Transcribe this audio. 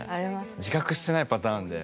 自覚してないパターンで。